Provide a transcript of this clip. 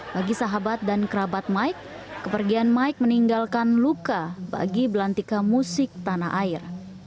bagi sahabat dan kerabat mike kepergian mike meninggalkan luka bagi belantika musik tanah air